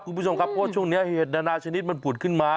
คุณผู้ชมครับเพราะว่าช่วงนี้เห็ดนานาชนิดมันผุดขึ้นมา